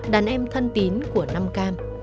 đàn em thân tín của nam cam